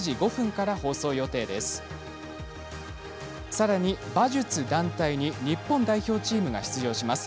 さらに、馬術団体に日本代表チームが出場します。